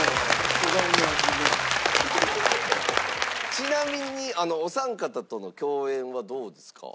ちなみにお三方との共演はどうですか？